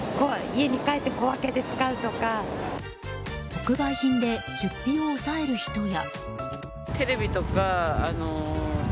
特売品で出費を抑える人や。